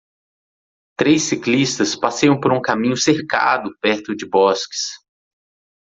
Três ciclistas passeiam por um caminho cercado perto de bosques.